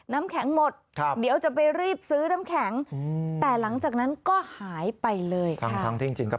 ทั้งที่จริงก็เป็นต้นต่อนะ